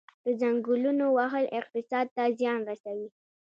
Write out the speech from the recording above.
د ځنګلونو وهل اقتصاد ته زیان رسوي؟